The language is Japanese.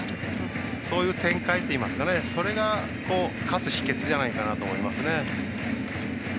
そういう展開といいますかそれが勝つ秘けつじゃないかなと思いますね。